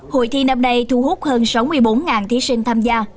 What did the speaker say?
hội thi năm nay thu hút hơn sáu mươi bốn thí sinh tham gia